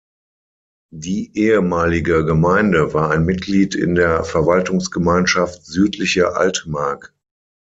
Die ehemalige Gemeinde war ein Mitglied in der Verwaltungsgemeinschaft Südliche Altmark.